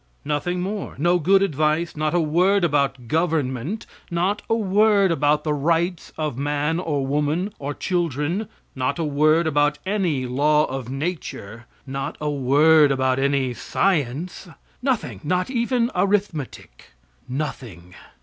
Nothing more. No good advice; not a word about government; not a word about the rights of man or woman, or children; not a word about any law of nature; not a word about any science nothing, not even arithmetic. Nothing.